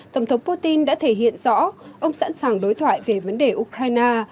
tổng thống putin đã thể hiện rõ ông sẵn sàng đối thoại về vấn đề ukraine